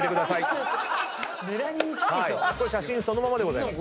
これ写真そのままでございます。